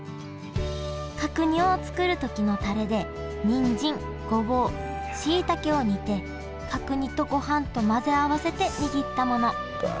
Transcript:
角煮を作る時のタレでにんじんごぼうしいたけを煮て角煮とごはんと混ぜ合わせて握ったもの。